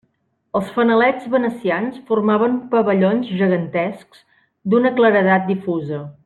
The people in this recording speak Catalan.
Els fanalets venecians formaven pavellons gegantescs d'una claredat difusa.